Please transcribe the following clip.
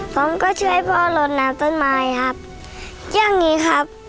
ผมก็ช่วยพ่อลดน้ำต้นไม้ครับอย่างนี้ครับพอลดน้ำแล้วพ่อก็จะย่ายเลยครับ